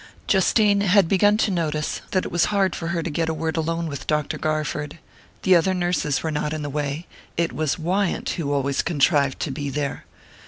Justine had begun to notice that it was hard for her to get a word alone with Dr. Garford. The other nurses were not in the way it was Wyant who always contrived to be there.